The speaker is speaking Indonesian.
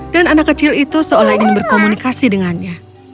dan anak kecil itu seolah ingin berkomunikasi dengannya